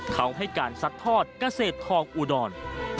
เขาให้การซัดทอดเกษตรทองอุดร